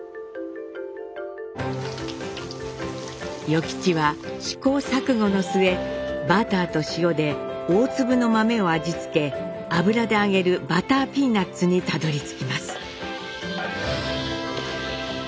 与吉は試行錯誤の末バターと塩で大粒の豆を味付け油で揚げるバターピーナッツにたどりつきます。